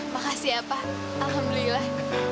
makasih ya pak alhamdulillah